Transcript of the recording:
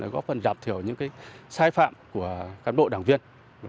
góp phần giảm thiểu những sai phạm của cán bộ đảng viên